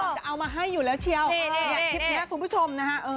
จะเอามาให้อยู่แล้วเชียวเนี่ยคลิปนี้คุณผู้ชมนะฮะ